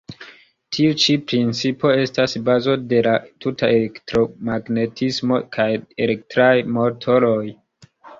Tiu ĉi principo estas bazo de la tuta elektromagnetismo kaj de elektraj motoroj.